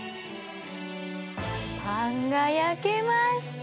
パンが焼けました！